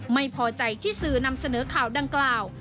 ไม่พอใจที่สื่อนำเสนอข่าวดังกล่าว